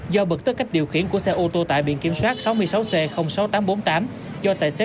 do bật tất cách điều khiển của xe ô tô tại biển kiểm soát sáu mươi sáu c sáu nghìn tám trăm bốn mươi tám